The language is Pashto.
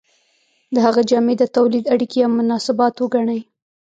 د هغه جامې د تولید اړیکې یا مناسبات وګڼئ.